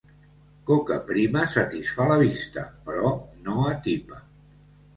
Coca prima satisfà la vista, però no atipa.